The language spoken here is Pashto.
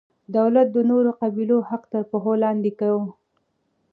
دولت د نورو قبیلو حق تر پښو لاندې کاوه.